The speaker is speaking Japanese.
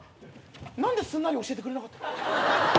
何ですんなり教えてくれなかった。